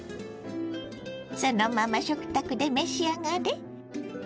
そのまま食卓で召し上がれ。